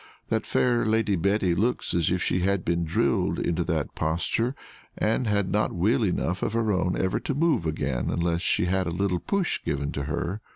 That fair Lady Betty looks as if she had been drilled into that posture, and had not will enough of her own ever to move again unless she had a little push given to her."